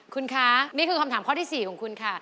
คุณคะนี่คือคำถามข้อที่๔ของคุณค่ะ